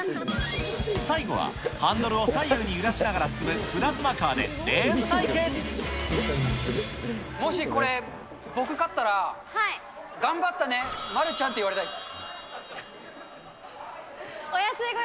最後はハンドルを左右に揺らしながら進むプラズマカーでレーもしこれ、僕勝ったら、頑張ったね、まるちゃんって言われたいです。